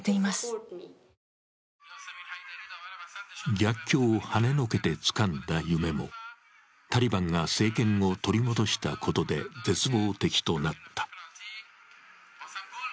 逆境をはねのけてつかんだ夢もタリバンが政権を取り戻したことで絶望的となった。